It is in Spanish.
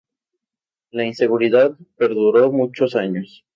La inseguridad perduró muchos años.